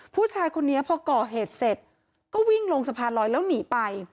ผู้ชายคนนี้พอก่อเหตุเสร็จก็วิ่งลงสะพานลอยแล้วหนีไป